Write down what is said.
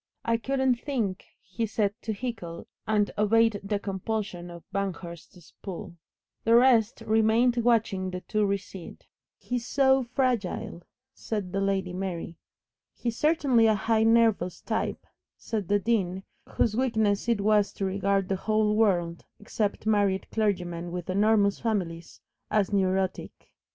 "I couldn't think " he said to Hickle, and obeyed the compulsion of Banghurst's pull. The rest remained watching the two recede. "He is so fragile," said the Lady Mary. "He's certainly a highly nervous type," said the Dean, whose weakness it was to regard the whole world, except married clergymen with enormous families, as "neurotic."